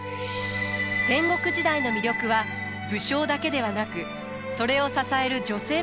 戦国時代の魅力は武将だけではなくそれを支える女性たちにもあります。